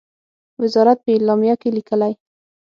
وزارت په اعلامیه کې لیکلی،